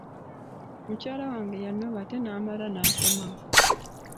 Mukyala wange yanoba ate n'amala n'akomawo.